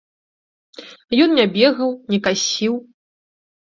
Ён не бегаў, не касіў.